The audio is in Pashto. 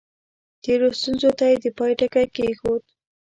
تېرو ستونزو ته یې د پای ټکی کېښود.